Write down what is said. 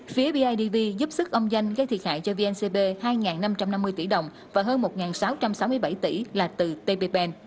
phía bidv giúp sức ông danh gây thiệt hại cho vncb hai năm trăm năm mươi tỷ đồng và hơn một sáu trăm sáu mươi bảy tỷ là từ tpp